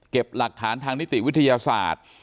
หลักฐานทางนิติวิทยาศาสตร์